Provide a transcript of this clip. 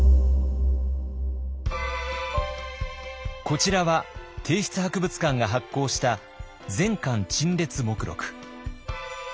こちらは帝室博物館が発行した「全館陳列目録」。